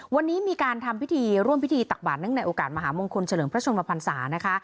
วันนี้มีการทำพิธีร่วมพิธีตักบาทเนื่องในโอกาสมหามงคลเฉลิมพระชนมพันศานะคะ